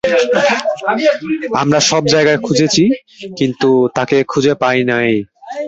আমরা সব জায়গায় খুঁজেছি, কিন্তু তাকে খুঁজে পাই নাই।